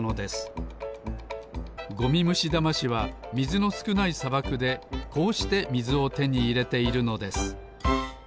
ゴミムシダマシはみずのすくないさばくでこうしてみずをてにいれているのです